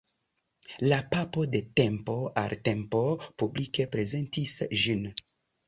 La papo de tempo al tempo publike prezentis ĝin.